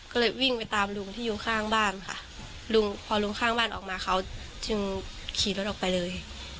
ก็เลยวิ่งไปตามลุงที่อยู่ข้างบ้านค่ะลุงพอลุงข้างบ้านออกมาเขาจึงขี่รถออกไปเลย